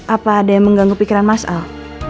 apa ada yang mengganggu pikiran mas al